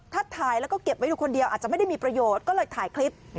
ถ้าถ่ายแล้วก็เก็บไว้ดูคนเดียวอาจจะไม่ได้มีประโยชน์ก็เลยถ่ายคลิป